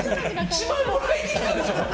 １万円もらいに来たんでしょ。